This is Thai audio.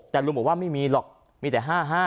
แต่ลุงบอกว่าไม่มีหรอกมีแต่๕๕